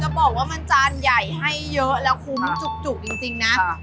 บอกว่ามันจานใหญ่ให้เยอะแล้วคุ้มจุกจริงนะ